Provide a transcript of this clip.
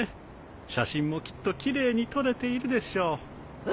写真もきっと奇麗に撮れているでしょう。